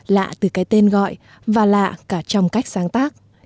lạ từ cái tên gọi và lạ cả trong cách sáng tác